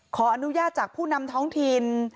ขออนุญาตจากผู้นำท้องถิ่น